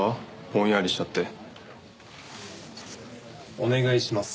お願いします。